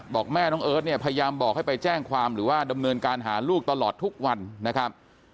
บอกแม่น้องเอิร์ทเนี่ยพยายามบอกให้ไปแจ้งความหรือว่าดำเนินการหาลูกตลอดทุกวันนะครับ